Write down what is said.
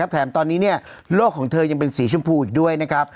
แถมตอนนี้โลกของเธอยังเป็นสีชมพูอีกด้วยนะครับ